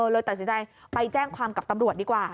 เลยตัดสินใจไปแจ้งความกับตำรวจดีกว่า